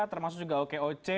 termasuk juga oke oce